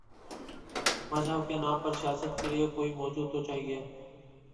مذہب کے نام پر سیاست کے لیے کوئی موضوع تو چاہیے۔